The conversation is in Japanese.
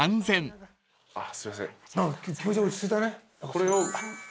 これを。